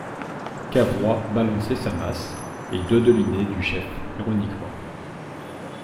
Cavrois balançait sa masse, et dodelinait du chef ironiquement.